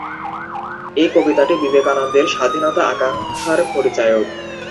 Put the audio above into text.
এই কবিতাটি বিবেকানন্দের স্বাধীনতা-আকাঙ্ক্ষার পরিচায়ক।